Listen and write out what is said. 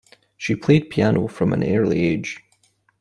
She played piano from an early age.